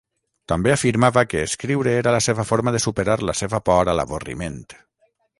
També afirmava que escriure era la seva forma de superar la seva por a l'avorriment.